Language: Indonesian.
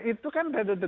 itu kan dari luar gitu ya